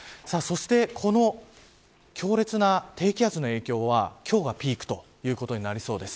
そして、強烈な低気圧の影響は今日がピークということになりそうです。